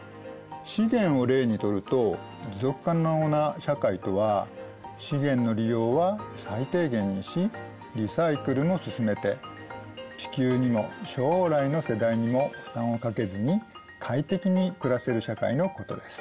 資源を例にとると持続可能な社会とは資源の利用は最低限にしリサイクルも進めて地球にも将来の世代にも負担をかけずに快適に暮らせる社会のことです。